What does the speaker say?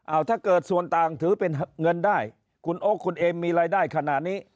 เอาถ้าเกิดส่วนต่างถือเป็นเงินได้คุณโอ๊คคุณเอ็มมีรายได้ขนาดนี้